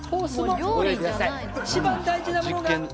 一番大事なものがこちら。